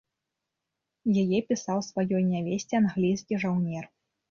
Яе пісаў сваёй нявесце англійскі жаўнер.